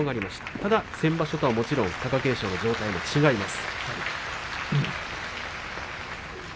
ただ先場所とは貴景勝の体の状態も違います。